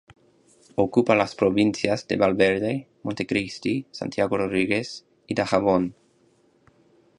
Ocupa las provincias de Valverde, Monte Cristi, Santiago Rodríguez y Dajabón.